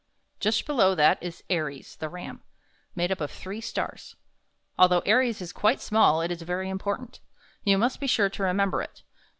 "Just below that is A ri es, the Ram, made up of three stars. Although Aries is quite small, it is very important. You must be sure to remember it.